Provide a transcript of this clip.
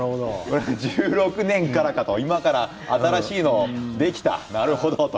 １６年からか今から新しいのができたなるほどと。